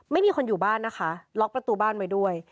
ไม่มีคนอยู่บ้านนะคะล็อกประตูบ้านไว้ด้วย